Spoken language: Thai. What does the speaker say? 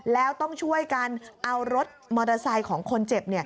แล้วต้องช่วยกันเอารถมอเตอร์ไซค์ของคนเจ็บ